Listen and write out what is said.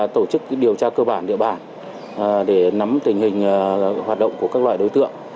tổ chức điều tra cơ bản địa bàn để nắm tình hình hoạt động của các loại đối tượng